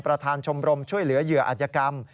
ประธานชมรมช่วยเหลือเหยื่ออัธยกรรม